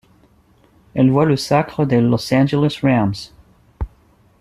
Elle voit le sacre des Los Angeles Rams.